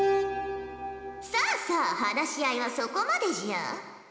さあさあ話し合いはそこまでじゃ！